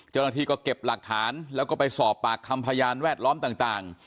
เจ้าหน้าที่ก็เก็บหลักฐานแล้วก็ไปสอบปากคำพยานแวดล้อมต่าง